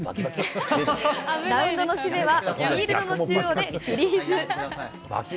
ラウンドの締めはフィールドの縁でフリーズ。